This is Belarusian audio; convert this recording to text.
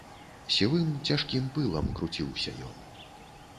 Сівым, цяжкім пылам круціўся ён.